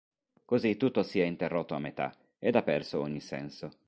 Così tutto si è interrotto a metà ed ha perso ogni senso.